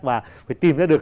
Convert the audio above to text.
và phải tìm ra được